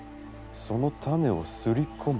その種をすり込む。